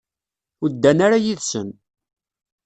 Ur ddan ara yid-sen.